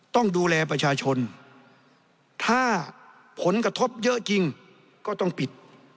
ต้องดูแลประชาชนถ้าผลกระทบเยอะจริงก็ต้องปิด